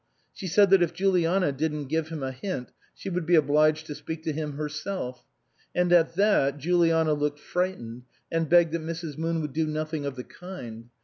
She said that if Juliana didn't give him a hint, she would be obliged to speak to him herself ; and at that Juliana looked frightened and begged that Mrs. Moon would do nothing of the kind.